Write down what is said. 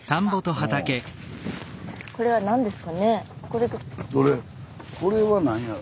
これは何や。